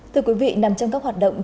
thưa quý vị nằm trong các hoạt động